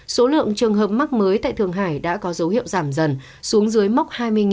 số lượng trường hợp mắc mới tại thường hải đã có dấu hiệu giảm dần xuống dưới mốc hai mươi